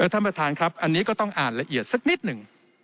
ท่านประธานครับอันนี้ก็ต้องอ่านละเอียดสักนิดหนึ่ง